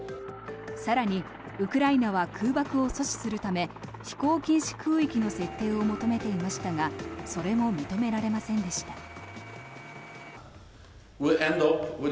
更に、ウクライナは空爆を阻止するため飛行禁止空域の設定を求めていましたがそれも認められませんでした。